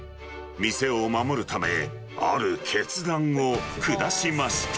店を守るため、ある決断を下しました。